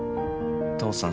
父さん